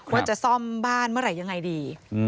ว่าจะซ่อมบ้านเมื่อไหร่ยังไงดี